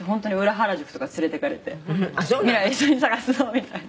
原宿とか連れていかれて“未來一緒に探すぞ”みたいな」